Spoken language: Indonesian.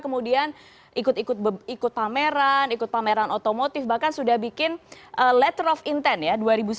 kemudian ikut ikut pameran ikut pameran otomotif bahkan sudah bikin letter of intent ya dua ribu sembilan belas